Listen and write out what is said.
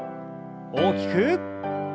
大きく。